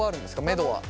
めどは。